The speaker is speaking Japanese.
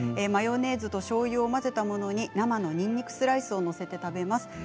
マヨネーズと、しょうゆを混ぜたものに、生のにんにくスライスを載せて食べます。